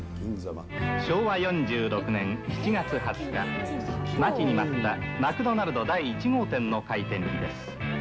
昭和４６年７月２０日、待ちに待ったマクドナルド第１号店の開店です。